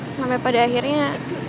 sampai pada akhirnya